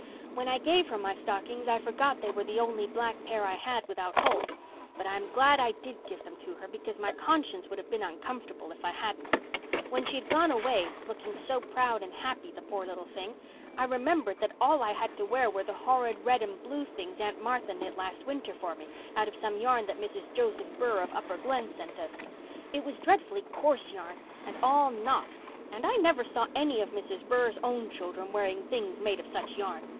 When I gave her my stockings I forgot they were the only black pair I had without holes, but I am glad I did give them to her, because my conscience would have been uncomfortable if I hadn't. When she had gone away, looking so proud and happy, the poor little thing, I remembered that all I had to wear were the horrid red and blue things Aunt Martha knit last winter for me out of some yarn that Mrs. Joseph Burr of Upper Glen sent us. It was dreadfully coarse yarn and all knots, and I never saw any of Mrs. Burr's own children wearing things made of such yarn.